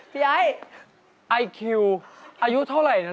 ภีร์ไอคิวอายุเท่าไหร่ล่ะลูก